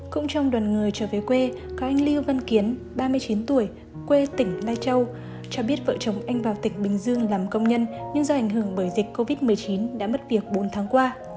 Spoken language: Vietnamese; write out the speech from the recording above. cũng trong đoàn người trở về quê có anh lưu văn kiến ba mươi chín tuổi quê tỉnh lai châu cho biết vợ chồng anh vào tỉnh bình dương làm công nhân nhưng do ảnh hưởng bởi dịch covid một mươi chín đã mất việc bốn tháng qua